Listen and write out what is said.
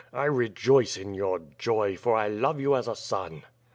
"I rejoice in your joy, for I love you as a son."